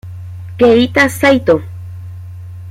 Keita Saito